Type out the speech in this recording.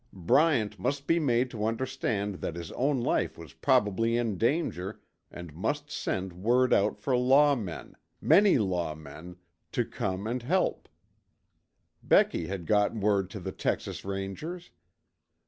Bryant must be made to understand that his own life was probably in danger and must send word out for law men, many law men, to come and help. Becky had got word to the Texas Rangers.